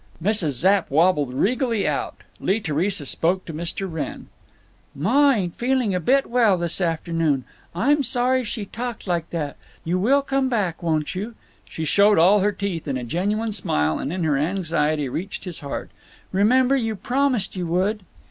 Mrs. Zapp wabbled regally out. Lee Theresa spoke to Mr. Wrenn: "Ma ain't feeling a bit well this afternoon. I'm sorry she talked like that. You will come back, won't you?" She showed all her teeth in a genuine smile, and in her anxiety reached his heart. "Remember, you promised you would."